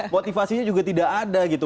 motivasinya juga tidak ada gitu